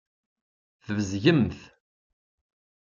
Tbezgemt.